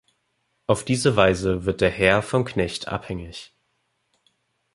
Auf diese Weise wird der Herr vom Knecht abhängig.